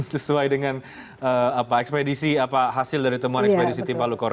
sesuai dengan ekspedisi hasil dari temuan ekspedisi tim palukoro